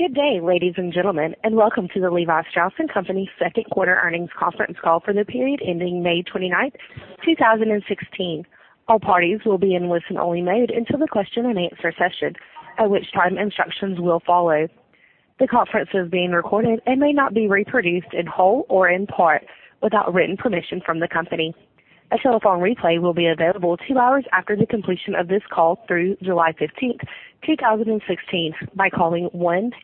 Good day, ladies and gentlemen, welcome to the Levi Strauss & Co. second quarter earnings conference call for the period ending May 29th, 2016. All parties will be in listen-only mode until the question and answer session, at which time instructions will follow. The conference is being recorded and may not be reproduced in whole or in part without written permission from the company. A telephone replay will be available 2 hours after the completion of this call through July 15th, 2016 by calling 1-855-859-2056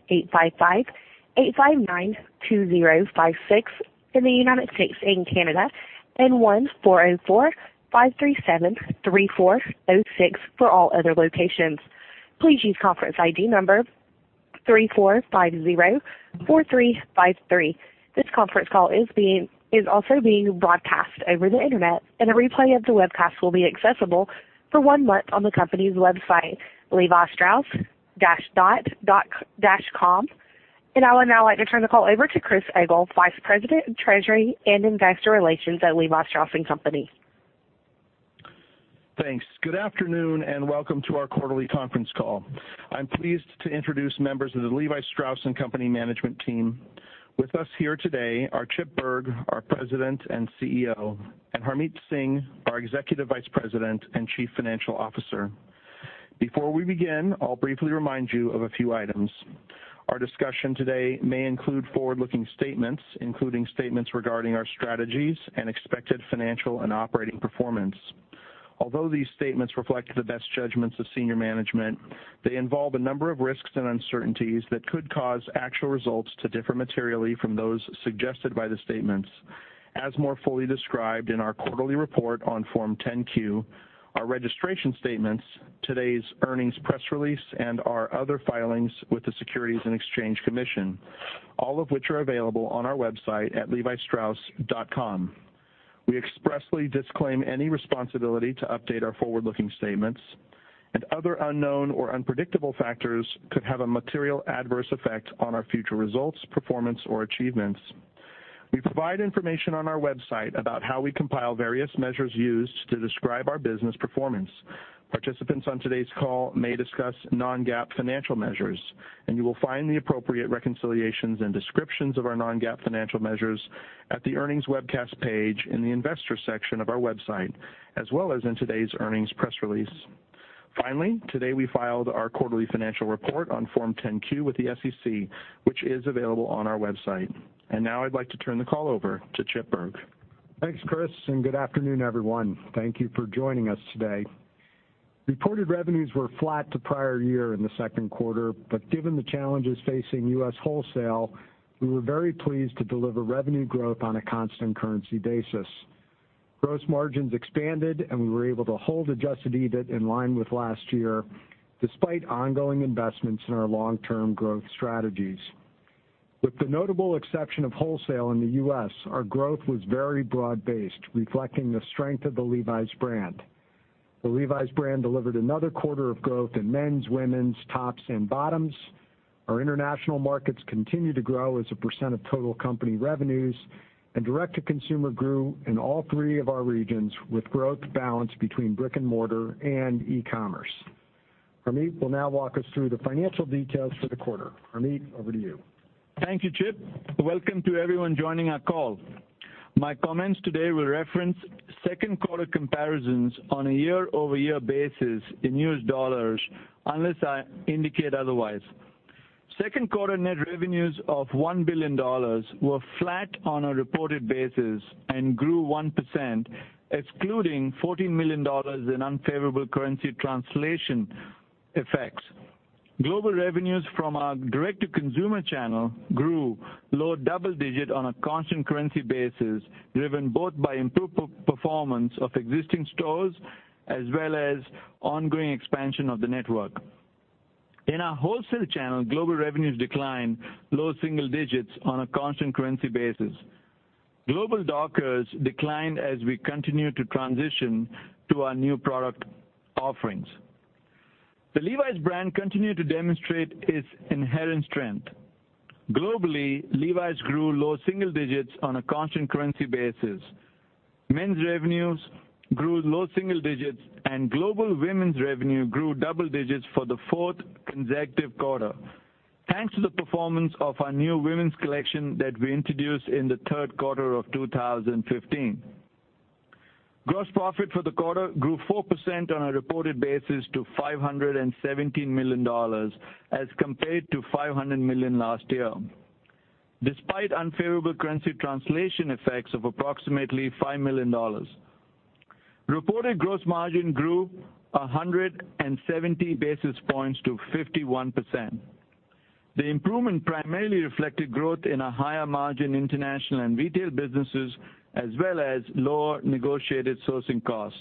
in the U.S. and Canada, and 1-404-537-3406 for all other locations. Please use conference ID number 3450 4353. This conference call is also being broadcast over the internet, a replay of the webcast will be accessible for one month on the company's website, levistrauss.com. I would now like to turn the call over to Chris Egol, Vice President of Treasury and Investor Relations at Levi Strauss & Co. Thanks. Good afternoon, welcome to our quarterly conference call. I'm pleased to introduce members of the Levi Strauss & Co. management team. With us here today are Chip Bergh, our President and CEO, and Harmit Singh, our Executive Vice President and Chief Financial Officer. Before we begin, I'll briefly remind you of a few items. Our discussion today may include forward-looking statements, including statements regarding our strategies and expected financial and operating performance. Although these statements reflect the best judgments of senior management, they involve a number of risks and uncertainties that could cause actual results to differ materially from those suggested by the statements. As more fully described in our quarterly report on Form 10-Q, our registration statements, today's earnings press release, and our other filings with the Securities and Exchange Commission, all of which are available on our website at levistrauss.com. We expressly disclaim any responsibility to update our forward-looking statements, other unknown or unpredictable factors could have a material adverse effect on our future results, performance, or achievements. We provide information on our website about how we compile various measures used to describe our business performance. Participants on today's call may discuss non-GAAP financial measures, you will find the appropriate reconciliations and descriptions of our non-GAAP financial measures at the earnings webcast page in the investor section of our website, as well as in today's earnings press release. Finally, today we filed our quarterly financial report on Form 10-Q with the SEC, which is available on our website. Now I'd like to turn the call over to Chip Bergh. Thanks, Chris, and good afternoon, everyone. Thank you for joining us today. Reported revenues were flat to prior year in the second quarter, but given the challenges facing U.S. wholesale, we were very pleased to deliver revenue growth on a constant currency basis. Gross margins expanded, and we were able to hold adjusted EBIT in line with last year, despite ongoing investments in our long-term growth strategies. With the notable exception of wholesale in the U.S., our growth was very broad based, reflecting the strength of the Levi's brand. The Levi's brand delivered another quarter of growth in men's, women's, tops, and bottoms. Our international markets continue to grow as a percent of total company revenues, and direct-to-consumer grew in all three of our regions, with growth balanced between brick and mortar and e-commerce. Harmit will now walk us through the financial details for the quarter. Harmit, over to you. Thank you, Chip. Welcome to everyone joining our call. My comments today will reference second quarter comparisons on a year-over-year basis in U.S. dollars, unless I indicate otherwise. Second quarter net revenues of $1 billion were flat on a reported basis and grew 1%, excluding $14 million in unfavorable currency translation effects. Global revenues from our direct-to-consumer channel grew low double digit on a constant currency basis, driven both by improved performance of existing stores as well as ongoing expansion of the network. In our wholesale channel, global revenues declined low single digits on a constant currency basis. Global Dockers declined as we continued to transition to our new product offerings. The Levi's brand continued to demonstrate its inherent strength. Globally, Levi's grew low single digits on a constant currency basis. Men's revenues grew low single digits, and global women's revenue grew double digits for the fourth consecutive quarter. Thanks to the performance of our new women's collection that we introduced in the third quarter of 2015. Gross profit for the quarter grew 4% on a reported basis to $517 million as compared to $500 million last year. Despite unfavorable currency translation effects of approximately $5 million. Reported gross margin grew 170 basis points to 51%. The improvement primarily reflected growth in a higher margin international and retail businesses, as well as lower negotiated sourcing costs.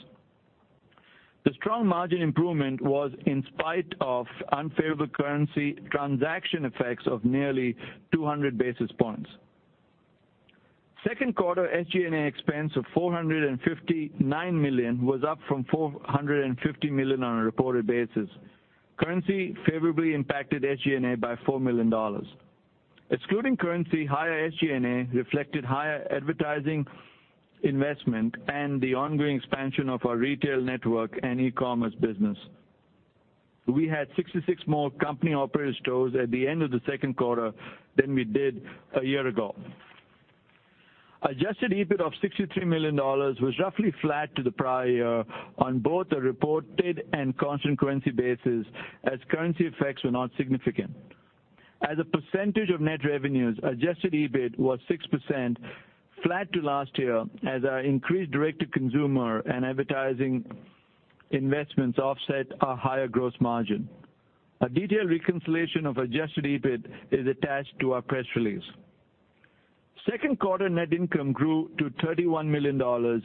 The strong margin improvement was in spite of unfavorable currency transaction effects of nearly 200 basis points. Second quarter SG&A expense of $459 million was up from $450 million on a reported basis. Currency favorably impacted SG&A by $4 million. Excluding currency, higher SG&A reflected higher advertising investment and the ongoing expansion of our retail network and e-commerce business. We had 66 more company-operated stores at the end of the second quarter than we did a year ago. Adjusted EBIT of $63 million was roughly flat to the prior year on both the reported and constant currency basis, as currency effects were not significant. As a percentage of net revenues, adjusted EBIT was 6%, flat to last year, as our increased direct-to-consumer and advertising investments offset our higher gross margin. A detailed reconciliation of adjusted EBIT is attached to our press release. Second quarter net income grew to $31 million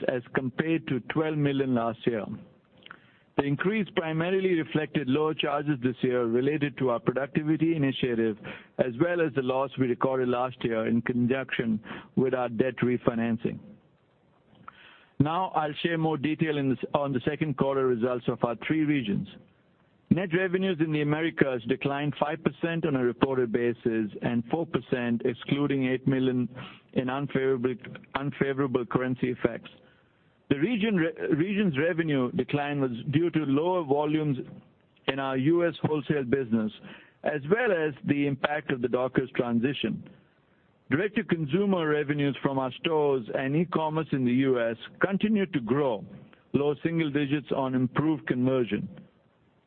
as compared to $12 million last year. The increase primarily reflected lower charges this year related to our productivity initiative, as well as the loss we recorded last year in conjunction with our debt refinancing. I'll share more detail on the second quarter results of our three regions. Net revenues in the Americas declined 5% on a reported basis, and 4% excluding $8 million in unfavorable currency effects. The region's revenue decline was due to lower volumes in our U.S. wholesale business, as well as the impact of the Dockers transition. Direct-to-consumer revenues from our stores and e-commerce in the U.S. continued to grow low single digits on improved conversion.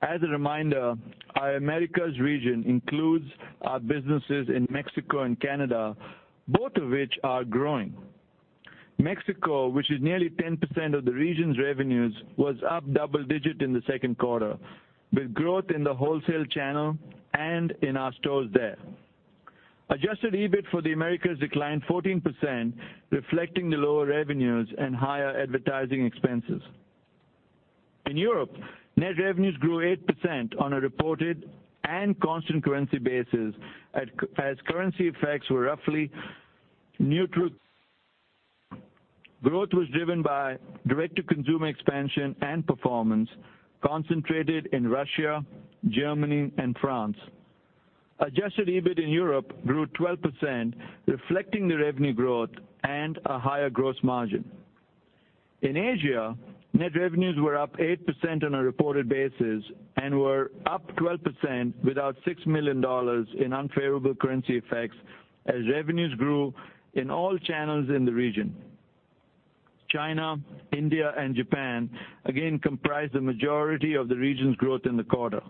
As a reminder, our Americas region includes our businesses in Mexico and Canada, both of which are growing. Mexico, which is nearly 10% of the region's revenues, was up double digit in the second quarter, with growth in the wholesale channel and in our stores there. Adjusted EBIT for the Americas declined 14%, reflecting the lower revenues and higher advertising expenses. In Europe, net revenues grew 8% on a reported and constant currency basis as currency effects were roughly neutral. Growth was driven by direct-to-consumer expansion and performance concentrated in Russia, Germany, and France. Adjusted EBIT in Europe grew 12%, reflecting the revenue growth and a higher gross margin. In Asia, net revenues were up 8% on a reported basis and were up 12% without $6 million in unfavorable currency effects as revenues grew in all channels in the region. China, India, and Japan again comprised the majority of the region's growth in the quarter.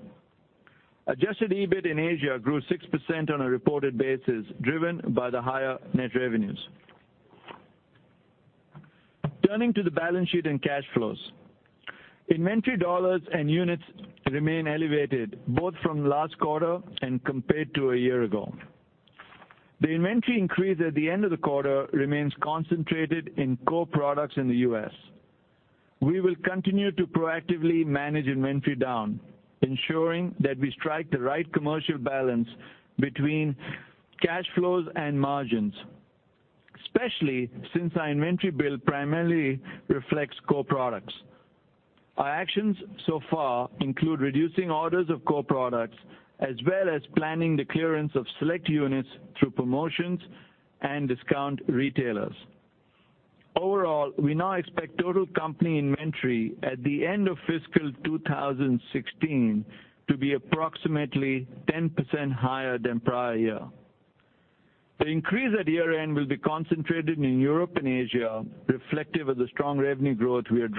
Adjusted EBIT in Asia grew 6% on a reported basis, driven by the higher net revenues. Turning to the balance sheet and cash flows. Inventory dollars and units remain elevated both from last quarter and compared to a year ago. The inventory increase at the end of the quarter remains concentrated in core products in the U.S. We will continue to proactively manage inventory down, ensuring that we strike the right commercial balance between cash flows and margins, especially since our inventory build primarily reflects core products. Our actions so far include reducing orders of core products as well as planning the clearance of select units through promotions and discount retailers. Overall, we now expect total company inventory at the end of fiscal 2016 to be approximately 10% higher than prior year. The increase at year-end will be concentrated in Europe and Asia, reflective of the strong revenue growth we are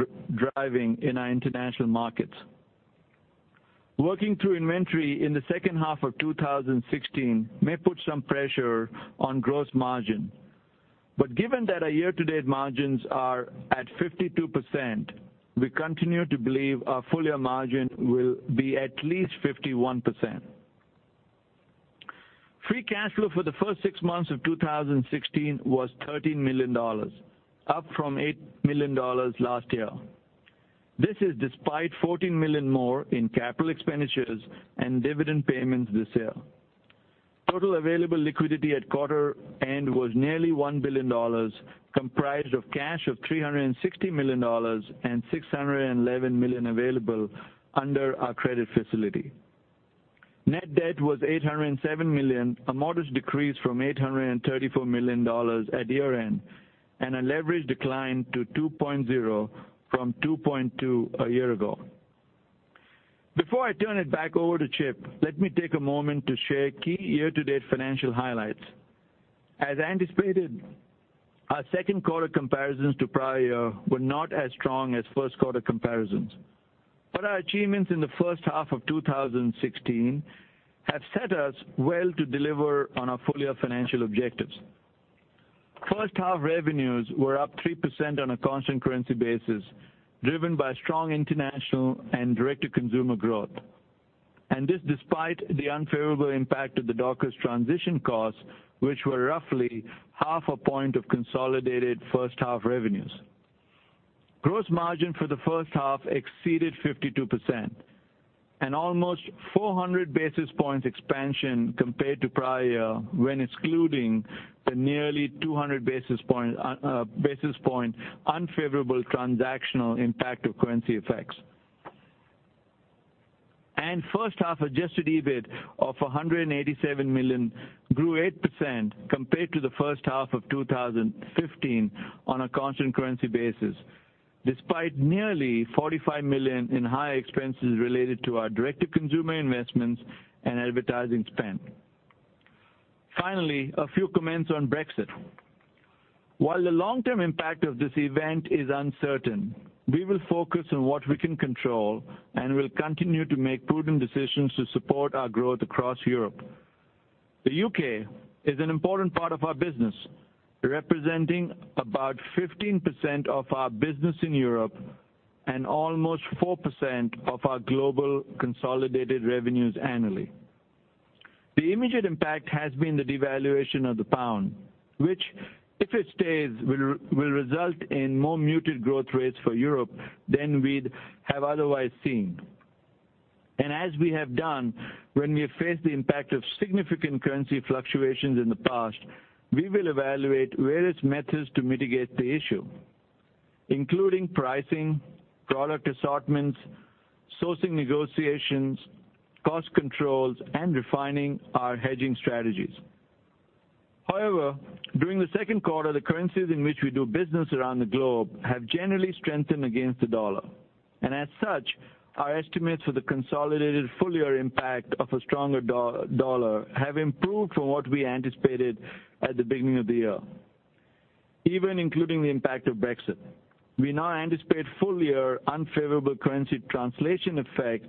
driving in our international markets. Working through inventory in the second half of 2016 may put some pressure on gross margin. Given that our year-to-date margins are at 52%, we continue to believe our full-year margin will be at least 51%. Free cash flow for the first six months of 2016 was $13 million, up from $8 million last year. This is despite $14 million more in capital expenditures and dividend payments this year. Total available liquidity at quarter end was nearly $1 billion, comprised of cash of $360 million and $611 million available under our credit facility. Net debt was $807 million, a modest decrease from $834 million at year-end, and a leverage decline to 2.0 from 2.2 a year ago. Before I turn it back over to Chip, let me take a moment to share key year-to-date financial highlights. As anticipated, our second quarter comparisons to prior year were not as strong as first quarter comparisons. Our achievements in the first half of 2016 have set us well to deliver on our full-year financial objectives. First half revenues were up 3% on a constant currency basis, driven by strong international and direct-to-consumer growth. This despite the unfavorable impact of the Dockers transition costs, which were roughly half a point of consolidated first half revenues. Gross margin for the first half exceeded 52%, an almost 400 basis points expansion compared to prior year when excluding the nearly 200 basis point unfavorable transactional impact of currency effects. First half adjusted EBIT of $187 million grew 8% compared to the first half of 2015 on a constant currency basis, despite nearly $45 million in higher expenses related to our direct-to-consumer investments and advertising spend. Finally, a few comments on Brexit. While the long-term impact of this event is uncertain, we will focus on what we can control and will continue to make prudent decisions to support our growth across Europe. The U.K. is an important part of our business, representing about 15% of our business in Europe and almost 4% of our global consolidated revenues annually. The immediate impact has been the devaluation of the pound, which, if it stays, will result in more muted growth rates for Europe than we'd have otherwise seen. As we have done when we have faced the impact of significant currency fluctuations in the past, we will evaluate various methods to mitigate the issue, including pricing, product assortments, sourcing negotiations, cost controls, and refining our hedging strategies. However, during the second quarter, the currencies in which we do business around the globe have generally strengthened against the dollar. As such, our estimates for the consolidated full-year impact of a stronger dollar have improved from what we anticipated at the beginning of the year. Even including the impact of Brexit, we now anticipate full year unfavorable currency translation effect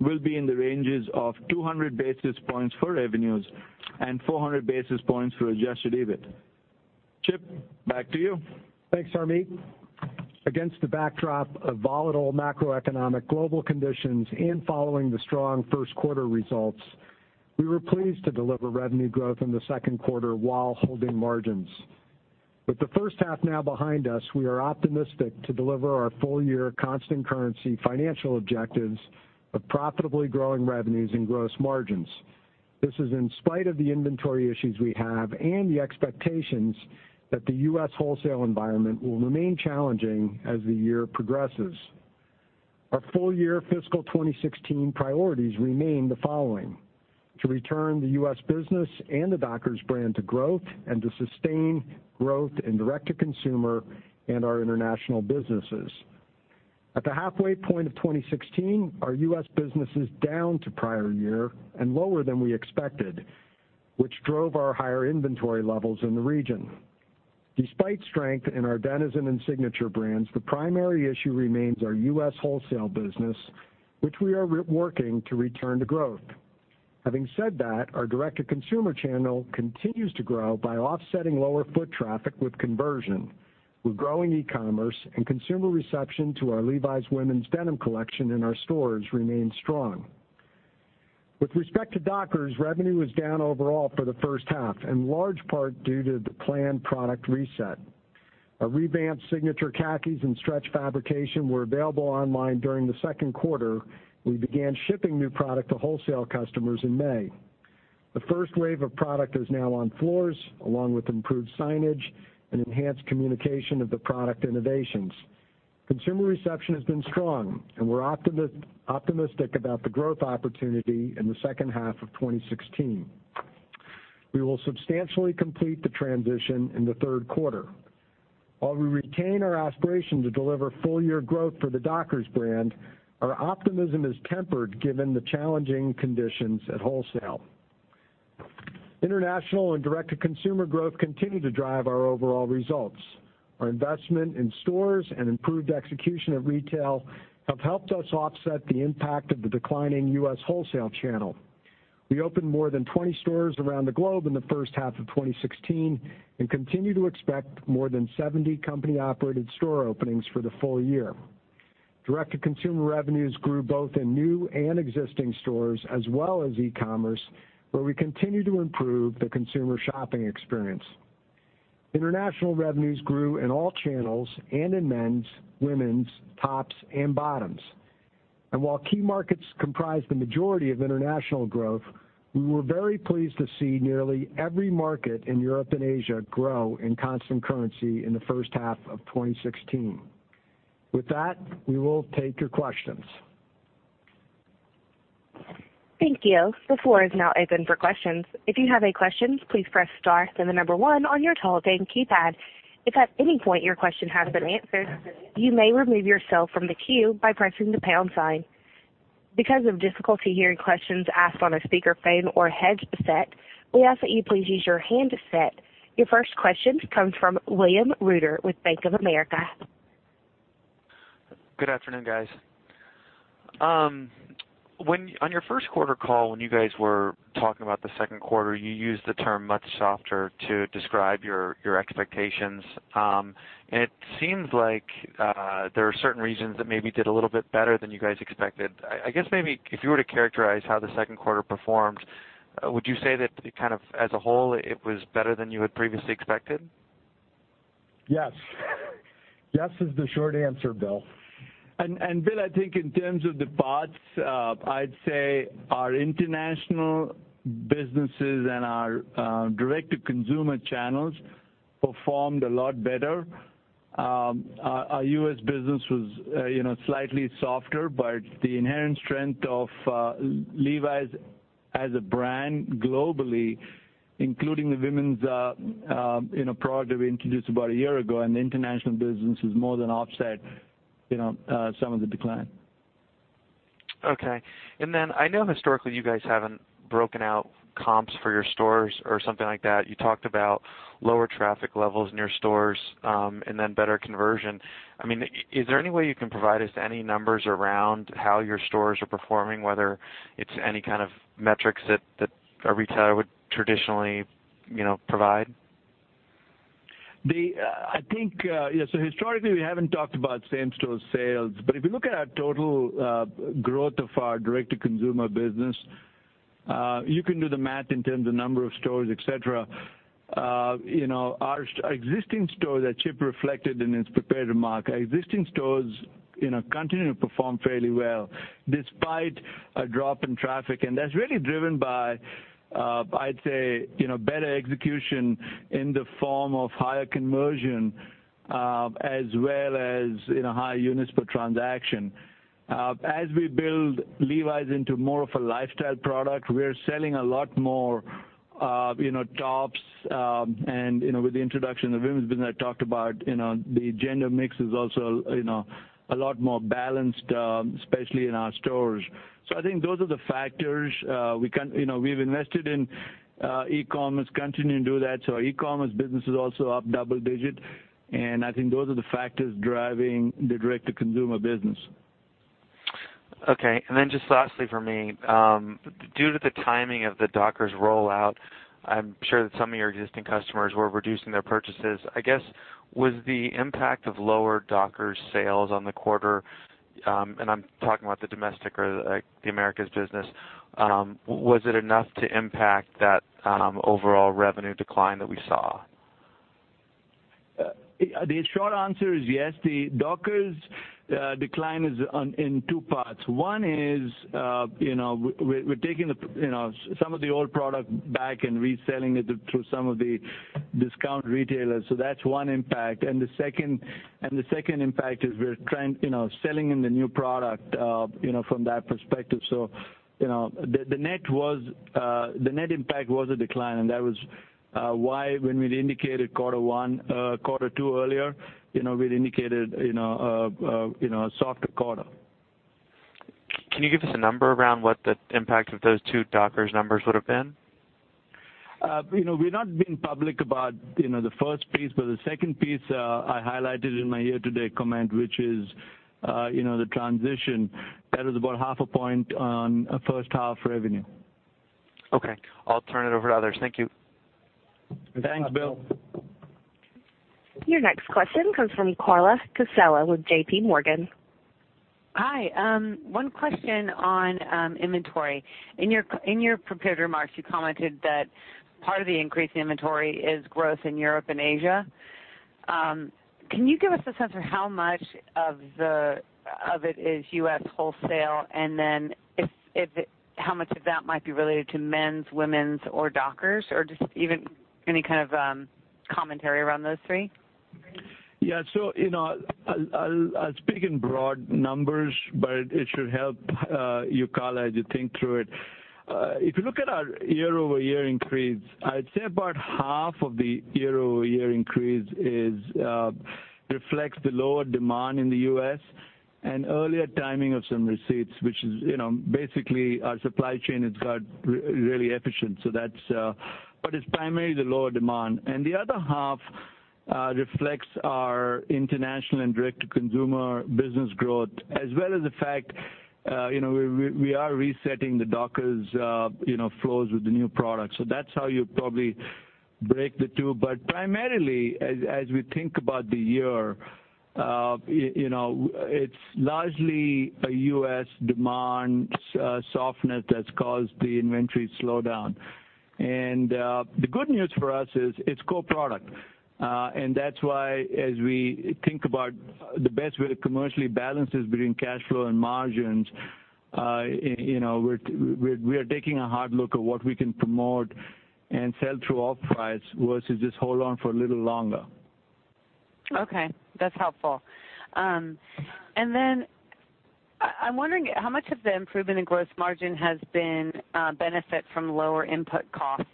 will be in the ranges of 200 basis points for revenues and 400 basis points for adjusted EBIT. Chip, back to you. Thanks, Harmit. Against the backdrop of volatile macroeconomic global conditions and following the strong first quarter results, we were pleased to deliver revenue growth in the second quarter while holding margins. With the first half now behind us, we are optimistic to deliver our full year constant currency financial objectives of profitably growing revenues and gross margins. This is in spite of the inventory issues we have and the expectations that the U.S. wholesale environment will remain challenging as the year progresses. Our full year fiscal 2016 priorities remain the following: to return the U.S. business and the Dockers brand to growth and to sustain growth in direct-to-consumer and our international businesses. At the halfway point of 2016, our U.S. business is down to prior year and lower than we expected, which drove our higher inventory levels in the region. Despite strength in our Denizen and Signature brands, the primary issue remains our U.S. wholesale business, which we are working to return to growth. Having said that, our direct-to-consumer channel continues to grow by offsetting lower foot traffic with conversion, with growing e-commerce and consumer reception to our Levi's women's denim collection in our stores remains strong. With respect to Dockers, revenue was down overall for the first half, in large part due to the planned product reset. A revamped Signature Khakis and stretch fabrication were available online during the second quarter. We began shipping new product to wholesale customers in May. The first wave of product is now on floors, along with improved signage and enhanced communication of the product innovations. Consumer reception has been strong, and we're optimistic about the growth opportunity in the second half of 2016. We will substantially complete the transition in the third quarter. While we retain our aspiration to deliver full-year growth for the Dockers brand, our optimism is tempered given the challenging conditions at wholesale. International and direct-to-consumer growth continue to drive our overall results. Our investment in stores and improved execution at retail have helped us offset the impact of the declining U.S. wholesale channel. We opened more than 20 stores around the globe in the first half of 2016 and continue to expect more than 70 company-operated store openings for the full year. Direct-to-consumer revenues grew both in new and existing stores as well as e-commerce, where we continue to improve the consumer shopping experience. International revenues grew in all channels and in men's, women's, tops, and bottoms. While key markets comprise the majority of international growth, we were very pleased to see nearly every market in Europe and Asia grow in constant currency in the first half of 2016. With that, we will take your questions. Thank you. The floor is now open for questions. If you have any questions, please press star then the number one on your telephone keypad. If at any point your question has been answered, you may remove yourself from the queue by pressing the pound sign. Because of difficulty hearing questions asked on a speakerphone or headset, we ask that you please use your handset. Your first question comes from William Reuter with Bank of America. Good afternoon, guys. On your first quarter call, when you guys were talking about the second quarter, you used the term much softer to describe your expectations. It seems like there are certain reasons that maybe did a little bit better than you guys expected. I guess maybe if you were to characterize how the second quarter performed, would you say that kind of as a whole, it was better than you had previously expected? Yes. Yes is the short answer, Bill. Bill, I think in terms of the parts, I'd say our international businesses and our direct-to-consumer channels performed a lot better. Our U.S. business was slightly softer, but the inherent strength of Levi's as a brand globally, including the women's product that we introduced about a year ago, and the international business has more than offset some of the decline. Okay. I know historically you guys haven't broken out comps for your stores or something like that. You talked about lower traffic levels in your stores, and then better conversion. Is there any way you can provide us any numbers around how your stores are performing, whether it's any kind of metrics that a retailer would traditionally provide? I think, historically we haven't talked about same-store sales, but if you look at our total growth of our direct-to-consumer business, you can do the math in terms of number of stores, et cetera. Our existing stores that Chip reflected in his prepared remarks. Existing stores continue to perform fairly well despite a drop in traffic. That's really driven by, I'd say, better execution in the form of higher conversion, as well as higher units per transaction. As we build Levi's into more of a lifestyle product, we are selling a lot more tops. With the introduction of women's business I talked about, the gender mix is also a lot more balanced, especially in our stores. I think those are the factors. We've invested in e-commerce, continuing to do that. Our e-commerce business is also up double-digit. I think those are the factors driving the direct-to-consumer business. Just lastly from me. Due to the timing of the Dockers rollout, I'm sure that some of your existing customers were reducing their purchases. I guess, was the impact of lower Dockers sales on the quarter, and I'm talking about the domestic or the Americas business. Was it enough to impact that overall revenue decline that we saw? The short answer is yes. The Dockers decline is in two parts. One is, we're taking some of the old product back and reselling it through some of the discount retailers. That's one impact. The second impact is we're selling in the new product, from that perspective. The net impact was a decline. That was why when we indicated quarter two earlier, we had indicated a softer quarter. Can you give us a number around what the impact of those two Dockers numbers would've been? We've not been public about the first piece, but the second piece I highlighted in my year-to-date comment, which is the transition. That was about half a point on first half revenue. Okay. I'll turn it over to others. Thank you. Thanks, Bill. Your next question comes from Carla Casella with JPMorgan. Hi. One question on inventory. In your prepared remarks, you commented that part of the increase in inventory is growth in Europe and Asia. Can you give us a sense of how much of it is U.S. wholesale, and then how much of that might be related to men's, women's, or Dockers, or just even any kind of commentary around those three? Yeah. I'll speak in broad numbers, but it should help you, Carla, as you think through it. If you look at our year-over-year increase, I'd say about half of the year-over-year increase reflects the lower demand in the U.S. and earlier timing of some receipts. Which is, basically our supply chain has got really efficient. It's primarily the lower demand. The other half reflects our international and direct-to-consumer business growth, as well as the fact we are resetting the Dockers flows with the new product. That's how you probably break the two. Primarily as we think about the year, it's largely a U.S. demand softness that's caused the inventory slowdown. The good news for us is it's core product. That's why as we think about the best way to commercially balance this between cash flow and margins, we are taking a hard look at what we can promote and sell through off price versus just hold on for a little longer. Okay, that's helpful. I'm wondering how much of the improvement in gross margin has been a benefit from lower input costs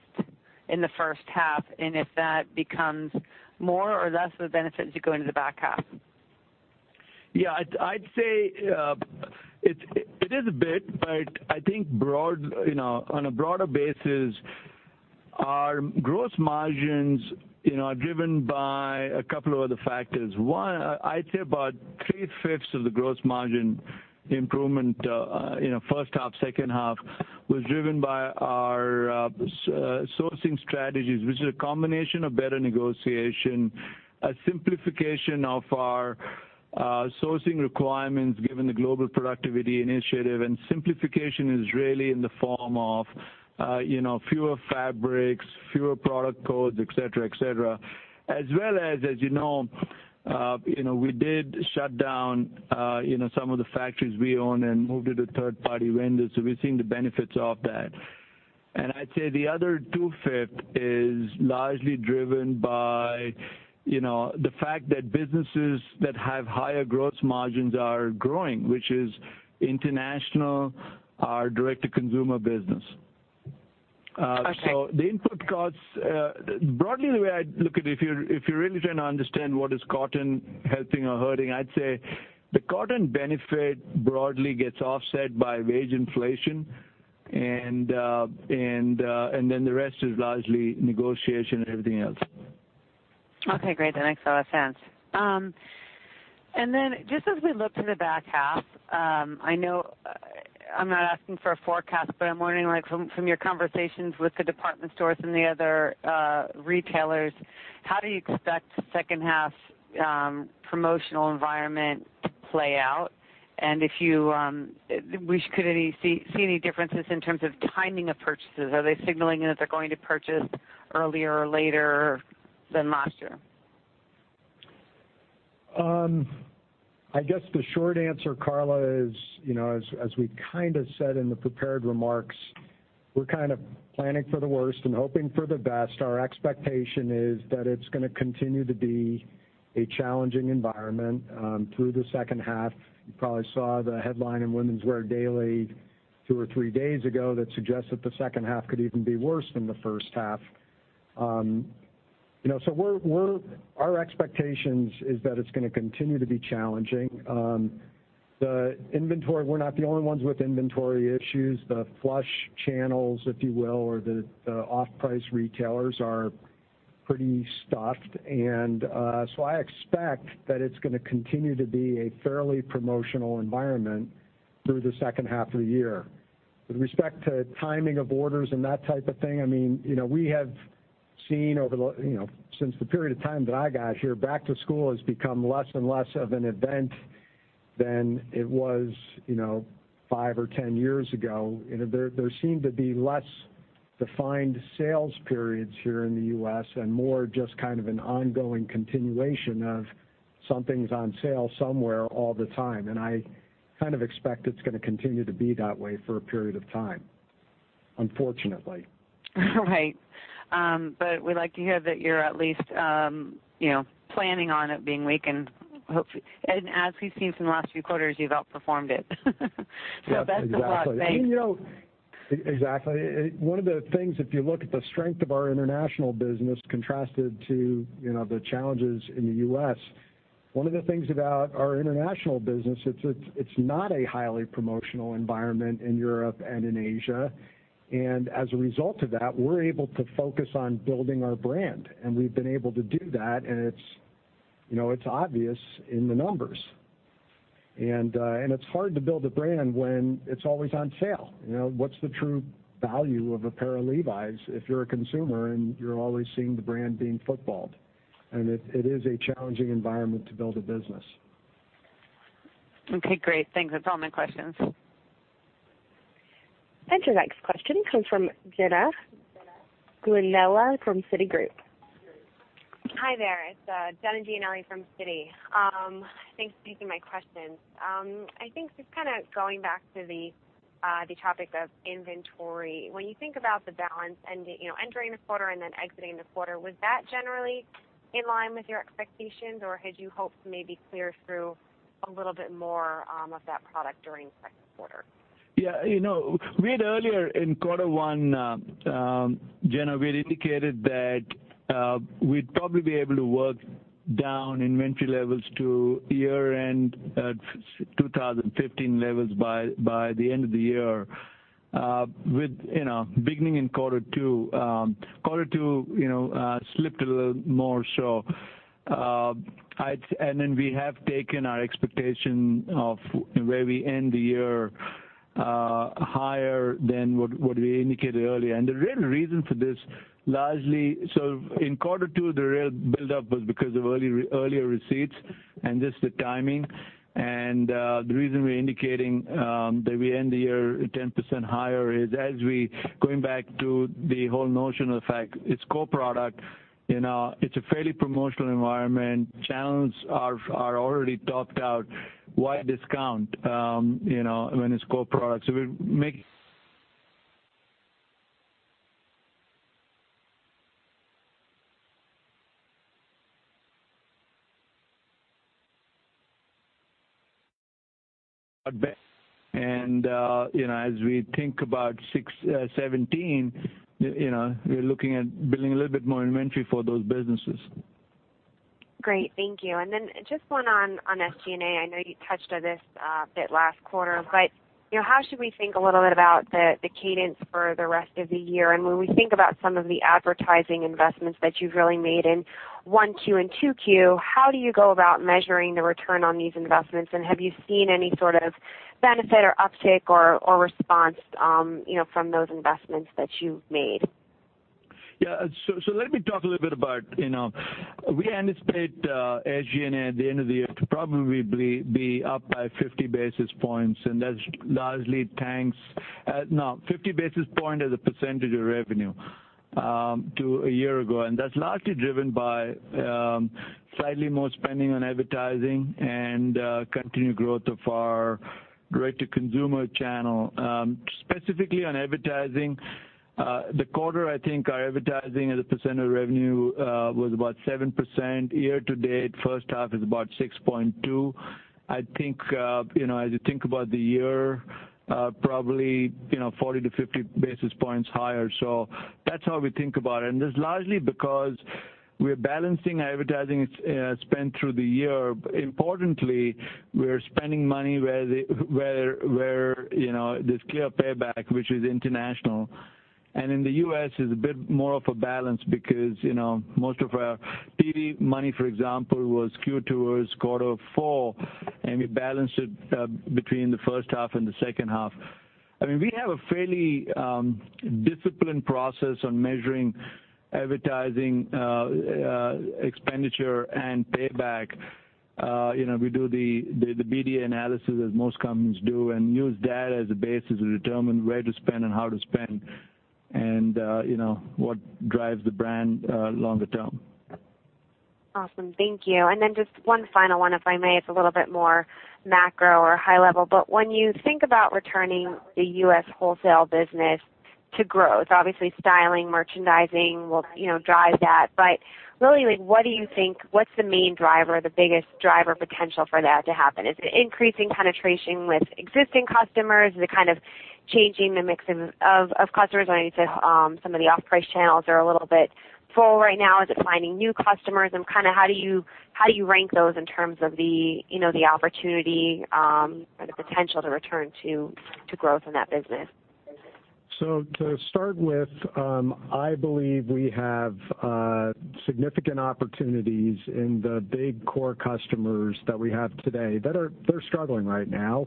in the first half, and if that becomes more or less of a benefit as you go into the back half? Yeah. I'd say it is a bit, I think on a broader basis, our gross margins are driven by a couple of other factors. One, I'd say about three-fifths of the gross margin improvement first half, second half, was driven by our sourcing strategies. Which is a combination of better negotiation, a simplification of our sourcing requirements given the Global Productivity Initiative. Simplification is really in the form of fewer fabrics, fewer product codes, et cetera. As well as we did shut down some of the factories we own and moved to the third-party vendors, we're seeing the benefits of that. I'd say the other two-fifths is largely driven by the fact that businesses that have higher gross margins are growing, which is international, our direct-to-consumer business. Okay. The input costs, broadly the way I'd look at it, if you're really trying to understand what is cotton helping or hurting, I'd say the cotton benefit broadly gets offset by wage inflation. The rest is largely negotiation and everything else. Okay, great. That makes a lot of sense. Just as we look to the back half, I know I'm not asking for a forecast, I'm wondering from your conversations with the department stores and the other retailers, how do you expect second half promotional environment to play out? Could we see any differences in terms of timing of purchases? Are they signaling that they're going to purchase earlier or later than last year? I guess the short answer, Carla, is, as we said in the prepared remarks, we're kind of planning for the worst and hoping for the best. Our expectation is that it's going to continue to be a challenging environment through the second half. You probably saw the headline in Women's Wear Daily two or three days ago that suggests that the second half could even be worse than the first half. Our expectation is that it's going to continue to be challenging. The inventory, we're not the only ones with inventory issues. The flush channels, if you will, or the off-price retailers are pretty stuffed. I expect that it's going to continue to be a fairly promotional environment through the second half of the year. With respect to timing of orders and that type of thing, we have seen over since the period of time that I got here, back to school has become less and less of an event than it was five or 10 years ago. There seem to be less defined sales periods here in the U.S. and more just kind of an ongoing continuation of something's on sale somewhere all the time. I kind of expect it's going to continue to be that way for a period of time. Unfortunately. Right. We like to hear that you're at least planning on it being weak and as we've seen from the last few quarters, you've outperformed it. Best of luck. Thanks. Exactly. One of the things, if you look at the strength of our international business contrasted to the challenges in the U.S., one of the things about our international business, it's not a highly promotional environment in Europe and in Asia. As a result of that, we're able to focus on building our brand, and we've been able to do that, and it's obvious in the numbers. It's hard to build a brand when it's always on sale. What's the true value of a pair of Levi's if you're a consumer and you're always seeing the brand being footballed? It is a challenging environment to build a business. Okay, great. Thanks. That's all my questions. Your next question comes from Jenna Giannelli from Citigroup. Hi there, it's Jenna Giannelli from Citi. Thanks for taking my questions. I think just kind of going back to the topic of inventory. When you think about the balance entering the quarter and then exiting the quarter, was that generally in line with your expectations, or had you hoped to maybe clear through a little bit more of that product during the second quarter? Yeah. We had earlier in quarter one, Jenna, we had indicated that we'd probably be able to work down inventory levels to year-end at 2015 levels by the end of the year. With beginning in quarter two. Quarter two slipped a little more. We have taken our expectation of where we end the year higher than what we indicated earlier. The real reason for this, largely, so in quarter two, the real buildup was because of earlier receipts and just the timing. The reason we're indicating that we end the year 10% higher is as we, going back to the whole notion of the fact it's core product, it's a fairly promotional environment. Channels are already topped out. Why discount when it's core products? As we think about 2016, 2017, we're looking at building a little bit more inventory for those businesses. Great. Thank you. Just one on SG&A. I know you touched on this a bit last quarter, but how should we think a little bit about the cadence for the rest of the year? When we think about some of the advertising investments that you've really made in 1Q and 2Q, how do you go about measuring the return on these investments, and have you seen any sort of benefit or uptick or response from those investments that you've made? Yeah. Let me talk a little bit about, we anticipate SG&A at the end of the year to probably be up by 50 basis points, and that's largely 50 basis points as a percentage of revenue. To a year ago. That's largely driven by slightly more spending on advertising and continued growth of our direct-to-consumer channel. Specifically on advertising, the quarter, I think, our advertising as a percent of revenue was about 7%. Year to date, first half is about 6.2%. I think, as you think about the year, probably 40 to 50 basis points higher. That's how we think about it. It's largely because we're balancing advertising spend through the year. Importantly, we're spending money where there's clear payback, which is international. In the U.S., it's a bit more of a balance because most of our TV money, for example, was Q2 and quarter four, and we balanced it between the first half and the second half. We have a fairly disciplined process on measuring advertising expenditure and payback. We do the BDA analysis, as most companies do, use data as a basis to determine where to spend and how to spend and what drives the brand longer term. Awesome. Thank you. Just one final one, if I may. It's a little bit more macro or high level. When you think about returning the U.S. wholesale business to growth, obviously styling, merchandising will drive that. Really, what's the main driver, the biggest driver potential for that to happen? Is it increasing penetration with existing customers? Is it changing the mix of customers? I know you said some of the off-price channels are a little bit full right now. Is it finding new customers? How do you rank those in terms of the opportunity or the potential to return to growth in that business? To start with, I believe we have significant opportunities in the big core customers that we have today. They're struggling right now.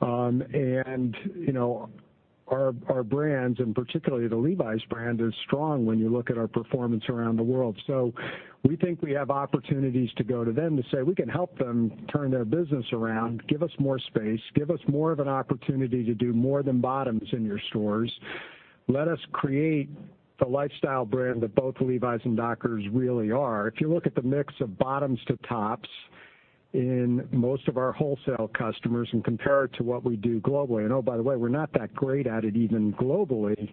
Our brands, and particularly the Levi's brand, is strong when you look at our performance around the world. We think we have opportunities to go to them to say, "We can help them turn their business around. Give us more space. Give us more of an opportunity to do more than bottoms in your stores. Let us create the lifestyle brand that both Levi's and Dockers really are." If you look at the mix of bottoms to tops in most of our wholesale customers and compare it to what we do globally, and oh, by the way, we're not that great at it even globally.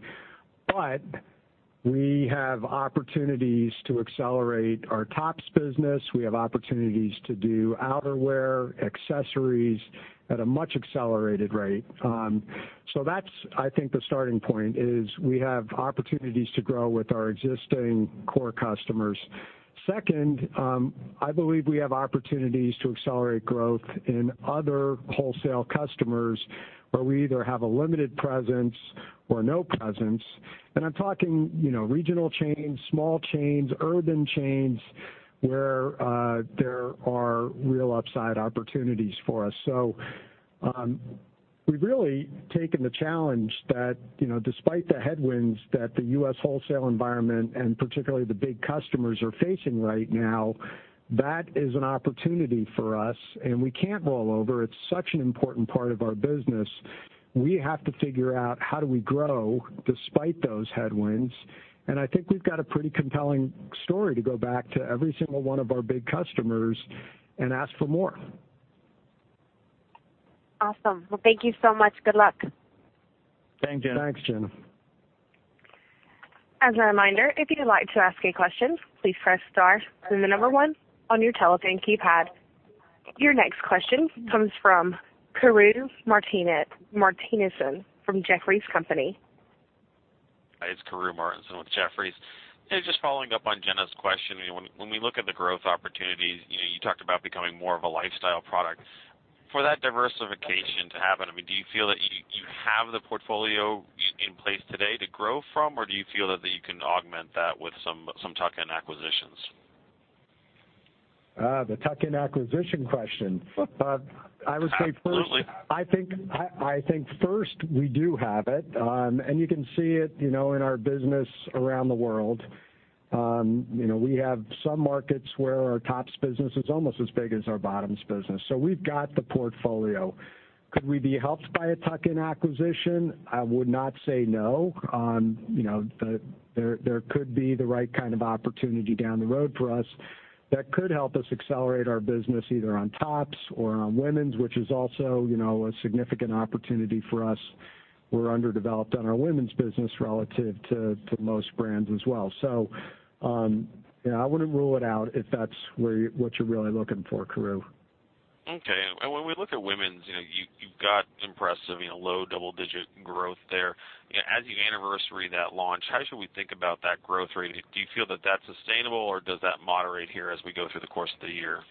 We have opportunities to accelerate our tops business. We have opportunities to do outerwear, accessories at a much accelerated rate. That's, I think, the starting point is we have opportunities to grow with our existing core customers. Second, I believe we have opportunities to accelerate growth in other wholesale customers where we either have a limited presence or no presence. I'm talking regional chains, small chains, urban chains, where there are real upside opportunities for us. We've really taken the challenge that despite the headwinds that the U.S. wholesale environment, and particularly the big customers are facing right now, that is an opportunity for us, and we can't roll over. It's such an important part of our business. We have to figure out how do we grow despite those headwinds. I think we've got a pretty compelling story to go back to every single one of our big customers and ask for more. Awesome. Well, thank you so much. Good luck. Thank you. Thanks, Jenna. As a reminder, if you'd like to ask a question, please press star, then the number one on your telephone keypad. Your next question comes from Kary Martinsen from Jefferies & Company. It's Kary Martinsen with Jefferies. Just following up on Jenna's question. When we look at the growth opportunities, you talked about becoming more of a lifestyle product. For that diversification to happen, do you feel that you have the portfolio in place today to grow from? Or do you feel that you can augment that with some tuck-in acquisitions? The tuck-in acquisition question. Absolutely. I think first, we do have it. You can see it in our business around the world. We have some markets where our tops business is almost as big as our bottoms business. We've got the portfolio. Could we be helped by a tuck-in acquisition? I would not say no. There could be the right kind of opportunity down the road for us that could help us accelerate our business, either on tops or on women's, which is also a significant opportunity for us. We're underdeveloped on our women's business relative to most brands as well. I wouldn't rule it out if that's what you're really looking for, Kary. Okay. When we look at women's, you've got impressive low double-digit growth there. As you anniversary that launch, how should we think about that growth rate? Do you feel that that's sustainable, or does that moderate here as we go through the course of the year?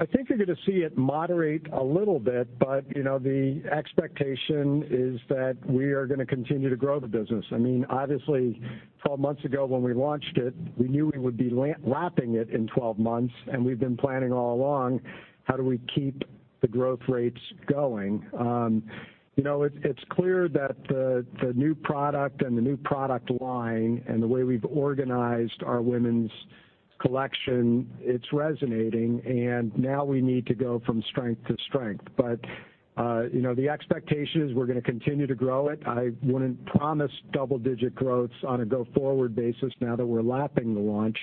I think you're going to see it moderate a little bit, but the expectation is that we are going to continue to grow the business. Obviously, 12 months ago when we launched it, we knew we would be lapping it in 12 months, and we've been planning all along, how do we keep the growth rates going? It's clear that the new product and the new product line, and the way we've organized our women's collection, it's resonating, and now we need to go from strength to strength. The expectation is we're going to continue to grow it. I wouldn't promise double-digit growths on a go-forward basis now that we're lapping the launch.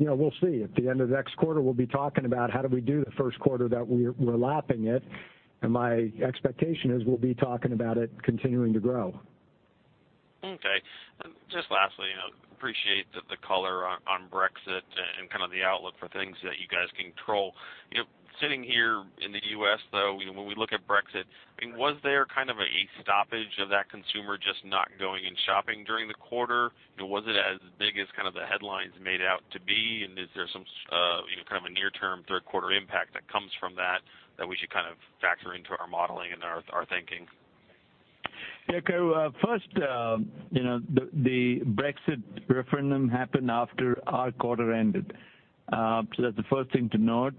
We'll see. At the end of next quarter, we'll be talking about how did we do the first quarter that we're lapping it, and my expectation is we'll be talking about it continuing to grow. Okay. Just lastly, appreciate the color on Brexit and the outlook for things that you guys control. Sitting here in the U.S. though, when we look at Brexit, was there a stoppage of that consumer just not going and shopping during the quarter? Was it as big as the headlines made it out to be? Is there some kind of a near-term third quarter impact that comes from that we should factor into our modeling and our thinking? Kary. First, the Brexit referendum happened after our quarter ended. That's the first thing to note.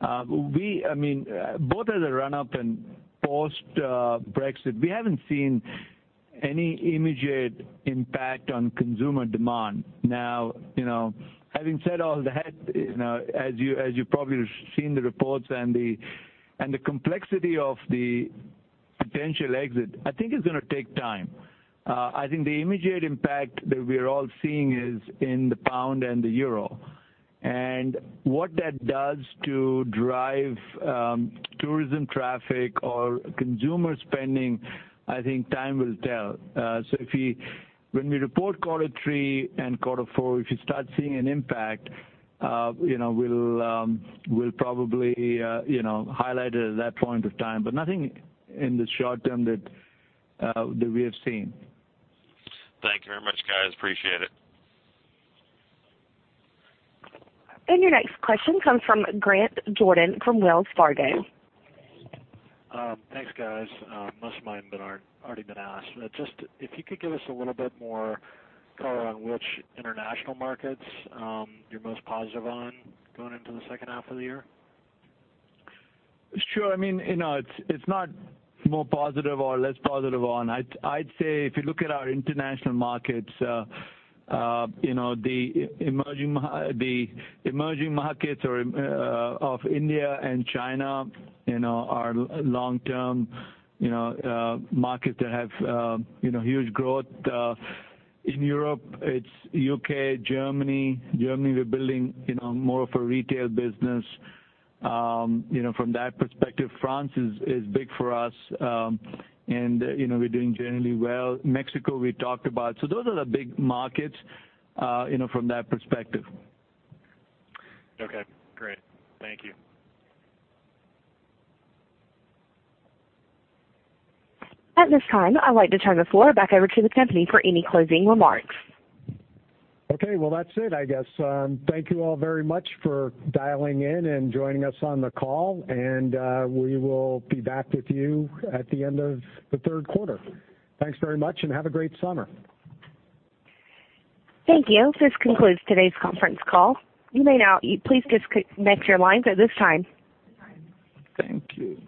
Both at the run-up and post-Brexit, we haven't seen any immediate impact on consumer demand. Having said all that, as you probably have seen the reports and the complexity of the potential exit, I think it's going to take time. I think the immediate impact that we're all seeing is in the pound and the euro. What that does to drive tourism traffic or consumer spending, I think time will tell. When we report quarter three and quarter four, if you start seeing an impact, we'll probably highlight it at that point of time, but nothing in the short term that we have seen. Thank you very much, guys. Appreciate it. Your next question comes from Grant Jordan from Wells Fargo. Thanks, guys. Most of mine have already been asked. If you could give us a little bit more color on which international markets you're most positive on going into the second half of the year. Sure. It's not more positive or less positive on. I'd say if you look at our international markets, the emerging markets of India and China are long-term markets that have huge growth. In Europe, it's U.K., Germany. Germany, we're building more of a retail business. From that perspective, France is big for us, and we're doing generally well. Mexico, we talked about. Those are the big markets from that perspective. Okay, great. Thank you. At this time, I'd like to turn the floor back over to the company for any closing remarks. Okay. That's it, I guess. Thank you all very much for dialing in and joining us on the call. We will be back with you at the end of the third quarter. Thanks very much and have a great summer. Thank you. This concludes today's conference call. You may now please disconnect your lines at this time. Thank you.